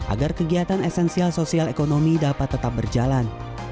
agar kegiatan esensial sosial ekonomi dapat tetap berjalan